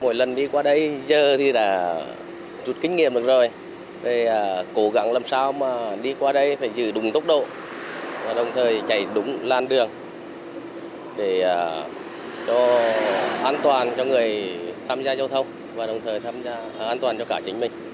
chạy đúng lan đường để cho an toàn cho người tham gia giao thông và đồng thời an toàn cho cả chính mình